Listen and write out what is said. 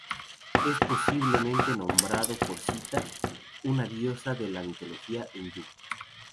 Está posiblemente nombrado por Sita, una diosa de la mitología hindú.